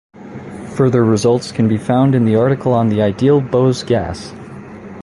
Further results can be found in the article on the ideal Bose gas.